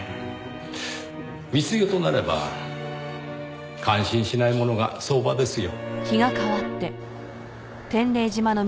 密輸となれば感心しないものが相場ですよ。